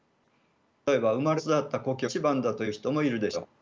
例えば生まれ育った故郷が一番だという人もいるでしょう。